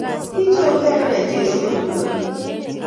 Kichoruge inne jeso konyo ngonyuni